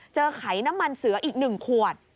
ไขน้ำมันเสืออีก๑ขวด